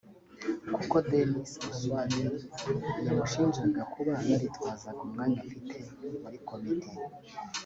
kuko Denis Oswald yamushinjaga kuba yaritwazaga umwanya afite muri Komite